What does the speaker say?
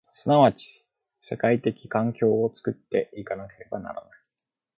即ち世界的環境を作って行かなければならない。